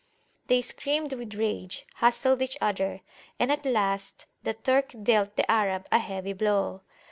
They screamed with rage, hustled each other, and at last the Turk dealt the Arab a heavy blow.